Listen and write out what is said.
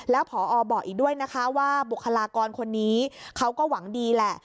แล้วพอบอกอีกด้วยนะคะว่าบุคลากรคนนี้เขาก็หวังดีแหละ